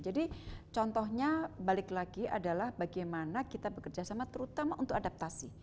jadi contohnya balik lagi adalah bagaimana kita bekerjasama terutama untuk adaptasi